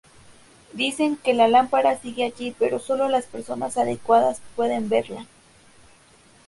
Dicen que la lámpara sigue allí, pero solo las personas adecuadas pueden verla.